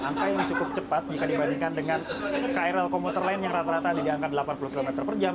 angka yang cukup cepat jika dibandingkan dengan krl komuter lain yang rata rata ada di angka delapan puluh km per jam